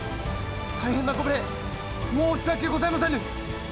大変なご無礼申し訳ございませぬ！